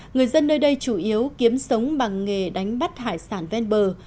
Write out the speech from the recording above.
người dân nơi đây chủ yếu kiếm sống bằng nghề đánh bắt hải sản ven bờ